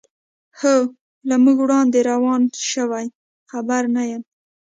هو، له موږ وړاندې روان شوي، خبر نه یم.